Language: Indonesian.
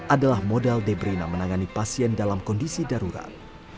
adalah modal debrina menangani pasien dalam kondisi darurat